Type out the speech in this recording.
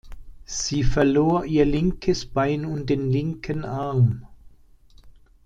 Sie verlor ihr linkes Bein und den linken Arm.